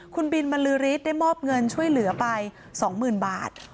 คุณบินมะลือริดได้มอบเงินช่วยเหลือไป๒หมื่นบาท